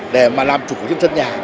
để mà làm chủ của trên sân nhà